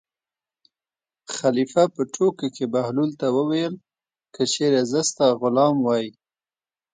خلیفه په ټوکو کې بهلول ته وویل: که چېرې زه ستا غلام وای.